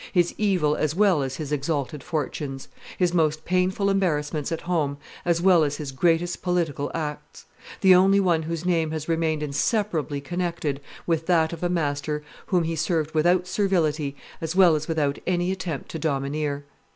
his evil as well as his exalted fortunes, his most painful embarrassments at home as well as his greatest political acts; the only one whose name has remained inseparably connected with that of a master whom he served without servility as well as without any attempt to domineer.